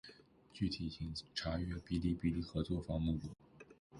具体请查阅《哔哩哔哩合作方目录》。